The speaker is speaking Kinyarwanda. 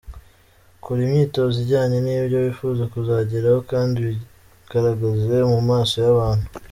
Kora imyitozo ijyanye n’ibyo wifuza kuzageraho kandi wigaragaze mu maso y’abantu.